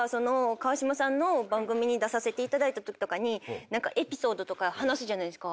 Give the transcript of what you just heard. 川島さんの番組に出させていただいたときとかにエピソードとか話すじゃないですか。